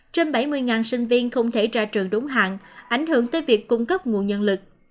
trên bảy mươi sinh viên không thể ra trường đúng hạn ảnh hưởng tới việc cung cấp nguồn nhân lực